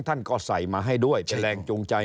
ท่านก็ใส่มาให้ด้วยเป็นแรงจูงใจ